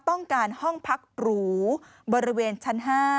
ต้องการห้องพักหรูบริเวณชั้น๕